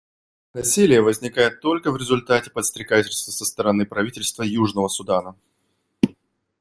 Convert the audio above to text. Насилие возникает только в результате подстрекательства со стороны правительства Южного Судана.